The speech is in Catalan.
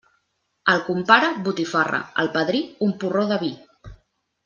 Al compare, botifarra; al padrí, un porró de vi.